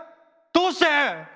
どうして？